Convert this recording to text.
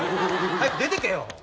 早く出てけよ！